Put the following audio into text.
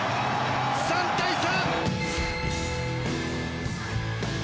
３対３！